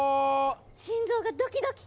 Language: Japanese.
心臓がドキドキ！